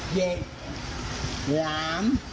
เจ็ดหลาม